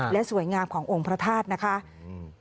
และสวยงามขององค์พระธาตุนะคะอืม